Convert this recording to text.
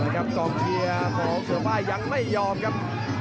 กองเชียร์ของเสือไฟยังไม่ยอมครับ